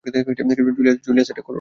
Julius, এটা করো না।